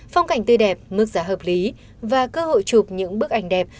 phong cảnh tươi đẹp mức giá hợp lý và cơ hội chụp những bức ảnh đẹp